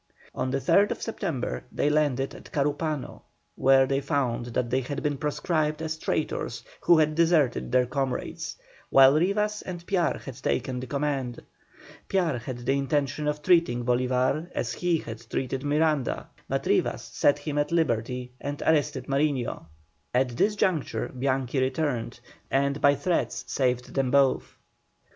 On the 3rd September they landed at Carúpano, where they found that they had been proscribed as traitors who had deserted their comrades, while Rivas and Piar had taken the command. Piar had the intention of treating Bolívar as he had treated Miranda, but Rivas set him at liberty and arrested Mariño. At this juncture Bianchi returned, and by threats saved them both.